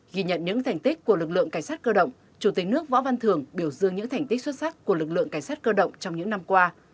ghi nhận những thành tích của lực lượng cảnh sát cơ động chủ tịch nước võ văn thường biểu dương những thành tích xuất sắc của lực lượng cảnh sát cơ động trong những năm qua